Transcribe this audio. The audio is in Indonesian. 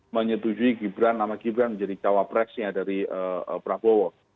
menyetujui gibran nama gibran menjadi cawapresnya dari prabowo